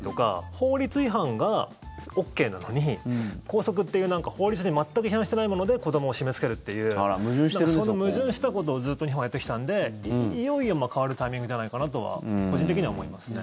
法律違反がＯＫなのに校則っていう法律に全く違反していないもので子どもを締めつけるっていう矛盾したことをずっと日本はやってきたのでいよいよ変わるタイミングじゃないかなとは個人的には思いますね。